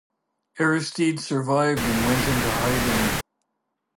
Aristide survived and went into hiding.